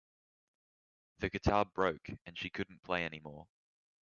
The guitar broke and she couldn't play anymore.